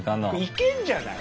いけんじゃない？